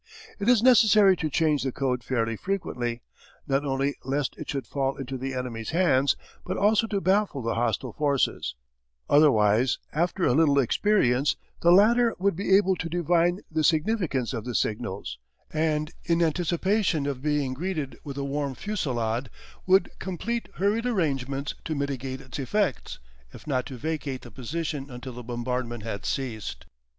It is necessary to change the code fairly frequently, not only lest it should fall into the enemy's hands, but also to baffle the hostile forces; otherwise, after a little experience, the latter would be able to divine the significance of the signals, and, in anticipation of being greeted with a warm fusillade, would complete hurried arrangements to mitigate its effects, if not to vacate the position until the bombardment had ceased.